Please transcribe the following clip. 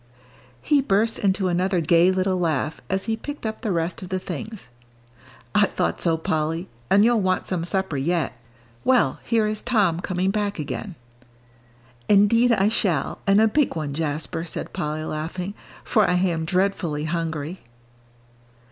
He burst into another gay little laugh, as he picked up the rest of the things. "I thought so, Polly, and you'll want some supper yet. Well, here is Tom coming back again." "Indeed I shall, and a big one, Jasper," said Polly, laughing, "for I am dreadfully hungry."